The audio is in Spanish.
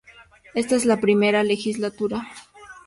Esta es la primera legislatura.